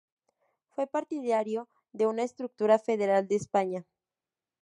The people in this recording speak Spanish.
Fue partidario de una estructura federal de España.